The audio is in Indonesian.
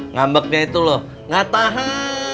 ngambeknya itu loh gak tahan